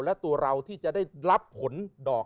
และตัวเราที่จะได้รับผลดอก